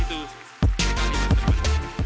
itu yang kita lakukan